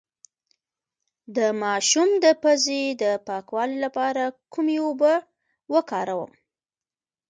د ماشوم د پوزې د پاکوالي لپاره کومې اوبه وکاروم؟